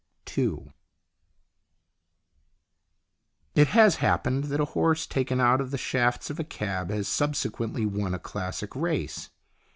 II IT has happened that a horse taken out of the shafts of a cab has subsequently won a classic race.